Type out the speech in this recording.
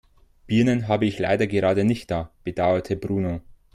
Birnen habe ich leider gerade nicht da, bedauerte Bruno.